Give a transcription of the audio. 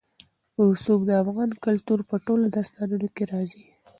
رسوب د افغان کلتور په ټولو داستانونو کې راځي.